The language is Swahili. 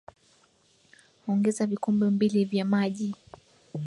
ongeza vikombe mbili vya maji